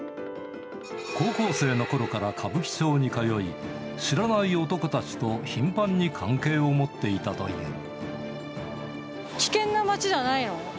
高校生のころから歌舞伎町に通い、知らない男たちと頻繁に関係を持危険な街じゃないの？